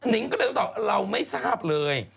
นิงก็เลยตอบว่าเราไม่ทราบเลย